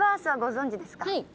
はい。